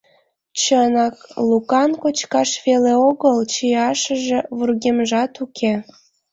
Чынак, Лукан кочкаш веле огыл, чияшыже вургемжат уке.